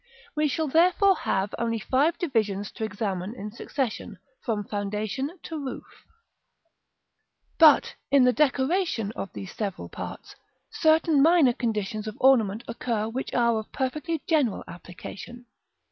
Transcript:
We shall therefore have only five divisions to examine in succession, from foundation to roof. [Illustration: Fig. LI.] § III. But in the decoration of these several parts, certain minor conditions of ornament occur which are of perfectly general application.